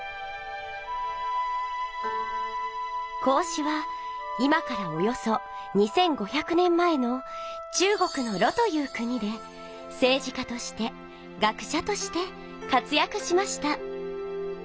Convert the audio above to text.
孔子は今からおよそ２，５００年前の中国の魯という国でせいじ家として学しゃとして活やくしました。